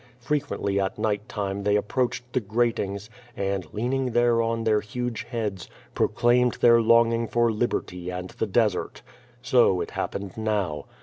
Frequently at night time they approached the gratings, and, leaning thereon their huge heads, proclaimed their longing for liberty and the desert. So it happened now.